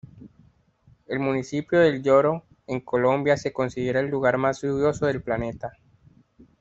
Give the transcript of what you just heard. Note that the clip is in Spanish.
El municipio del Lloró en Colombia se considera el lugar más lluvioso del planeta.